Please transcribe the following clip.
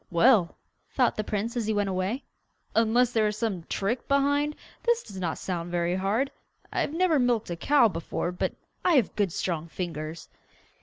'Well,' thought the prince as he went away, 'unless there is some trick behind, this does not sound very hard. I have never milked a cow before, but I have good strong fingers.